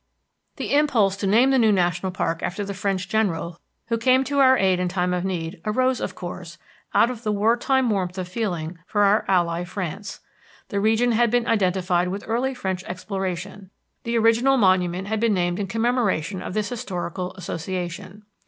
The impulse to name the new national park after the French general who came to our aid in time of need arose, of course, out of the war time warmth of feeling for our ally, France. The region had been identified with early French exploration; the original monument had been named in commemoration of this historical association.